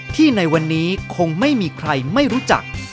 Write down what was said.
ในวันนี้คงไม่มีใครไม่รู้จัก